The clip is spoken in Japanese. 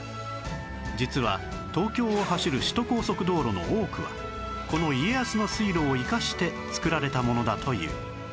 実は東京を走る首都高速道路の多くはこの家康の水路を生かして造られたものだという